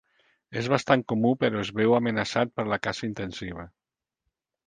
És bastant comú però es veu amenaçat per la caça intensiva.